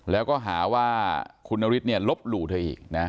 แล้วก็หาว่าคุณนฤทธิเนี่ยลบหลู่เธออีกนะ